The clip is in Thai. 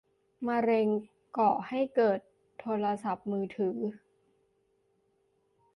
มะเร็งก่อให้เกิดโทรศัพท์มือถือ ?